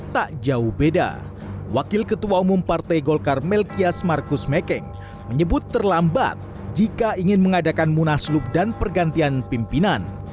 tak jauh beda wakil ketua umum partai golkar melkias markus mekeng menyebut terlambat jika ingin mengadakan munaslup dan pergantian pimpinan